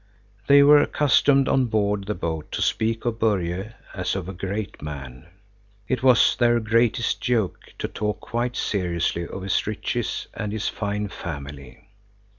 They were accustomed on board the boat to speak of Börje as of a great man. It was their greatest joke to talk quite seriously of his riches and his fine family.